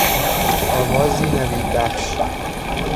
آغازی نوید بخش